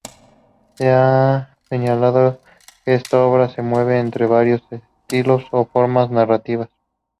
Se ha señalado que esta obra se mueve entre varios estilos o fórmulas narrativas.